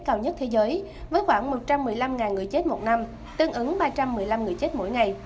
cao nhất thế giới với khoảng một trăm một mươi năm người chết một năm tương ứng ba trăm một mươi năm người chết mỗi ngày